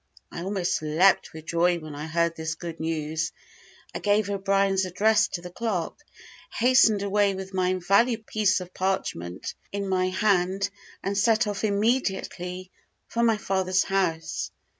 I almost leaped with joy when I heard this good news; I gave O'Brien's address to the clerk, hastened away with my invaluable piece of parchment in my hand, and set off immediately for my father's house.